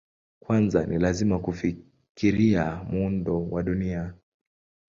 Kwanza ni lazima kufikiria muundo wa Dunia.